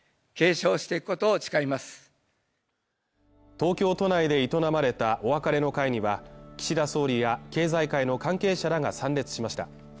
東京都内で営まれたお別れの会には岸田総理や経済界の関係者が参列しました。